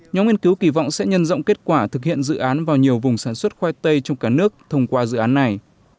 nhóm nghiên cứu kỳ vọng sẽ nhân rộng kết quả thực hiện dự án vào nhiều vùng sản xuất khoai tây trong cả nước thông qua dự án này